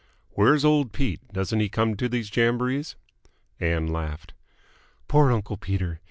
"Where's old Pete? Doesn't he come to these jamborees?" Ann laughed. "Poor uncle Peter!